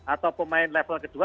atau pemain level ke dua